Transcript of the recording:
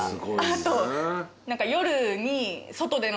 あと。